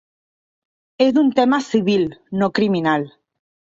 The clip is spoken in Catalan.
És un tema civil, no criminal.